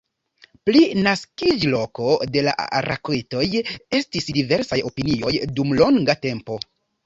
Pri naskiĝloko de la raketoj estis diversaj opinioj dum longa tempo.